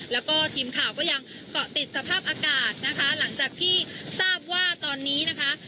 แล้วก็ทีมข่าวก็ยังเกาะติดสภาพอากาศนะคะหลังจากที่ทราบว่าตอนนี้นะคะ